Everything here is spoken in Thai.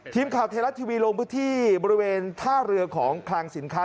ทีมข่าวไทยรัฐทีวีลงพื้นที่บริเวณท่าเรือของคลังสินค้า